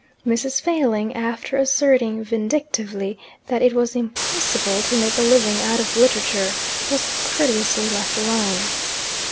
Mrs. Failing, after asserting vindictively that it was impossible to make a living out of literature, was courteously left alone.